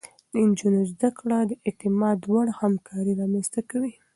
د نجونو زده کړه د اعتماد وړ همکاري رامنځته کوي.